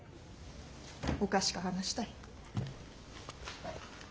おかしか話たい。